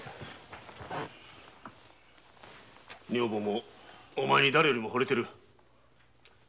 女房もお前にだれよりもホレている。